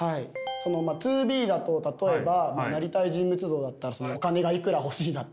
そのまあＴｏＢｅだと例えばなりたい人物像だったらお金がいくら欲しいだったり。